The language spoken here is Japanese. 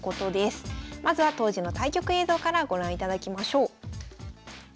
まずは当時の対局映像からご覧いただきましょう。